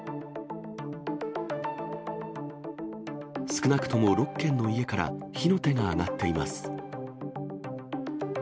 少なくとも６軒の家から火の手が上がっています。